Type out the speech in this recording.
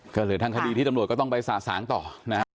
ก็เหลือทางคดีที่ตำรวจก็ต้องไปสะสางต่อนะฮะ